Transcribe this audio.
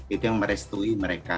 itu yang merestui mereka